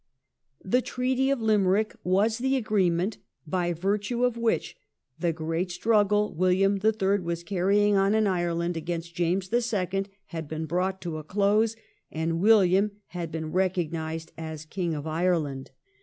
The Treaty of Limerick was the agreement by virtue of which the great struggle WiUiam the Third was carrying on in Ireland against James the Second had been brought to a close, and WiUiam had been recognised as King of Ireland.